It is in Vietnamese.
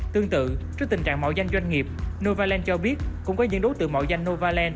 tương tự trước tình trạng mạo danh doanh nghiệp novaland cho biết cũng có những đối tượng mạo danh novaland